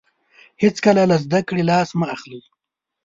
هیڅکله له زده کړې لاس مه اخلئ.